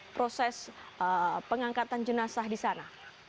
proses pengangkatan jenazah di sana